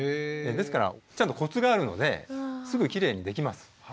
ですからちゃんとコツがあるのですぐきれいにできます。